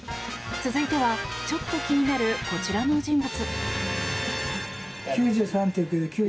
続いてはちょっと気になるこちらの人物。